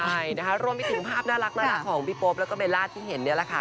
ใช่นะคะรวมไปถึงภาพน่ารักของพี่โป๊ปแล้วก็เบลล่าที่เห็นเนี่ยแหละค่ะ